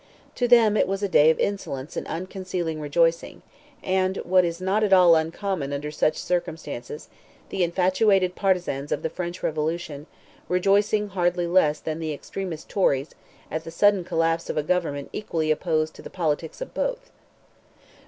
To them it was a day of insolent and unconcealed rejoicing; and, what is not at all uncommon under such circumstances, the infatuated partisans of the French revolution, rejoiced hardly less than the extremest Tories, at the sudden collapse of a government equally opposed to the politics of both.